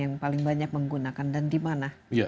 yang paling banyak menggunakan dan di mana